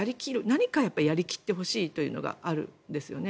何かやり切ってほしいというのがあるんですよね。